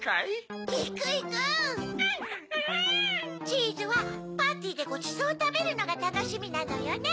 チーズはパーティーでごちそうをたべるのがたのしみなのよね。